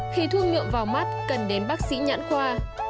khi thuốc nhuộm vào mắt cần đến bác sĩ nhãn khoa